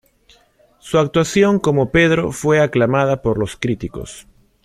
Su actuación como Pedro fue aclamada por los críticos.